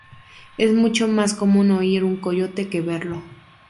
Es mucho más común oír un coyote que verlo.